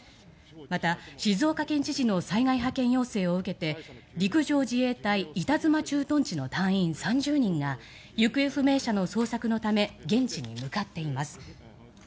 また、静岡県知事の災害派遣要請を受けて陸上自衛隊板妻駐屯地の隊員３０人が行方不明者の捜索のため現地に向かっています。